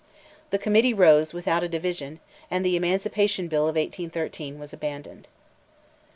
The committee rose, without a division, and the Emancipation Bill of 1813 was abandoned.